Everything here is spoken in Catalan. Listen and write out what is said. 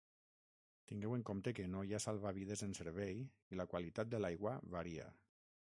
Tingueu en compte que no hi ha salvavides en servei i la qualitat de l'aigua varia.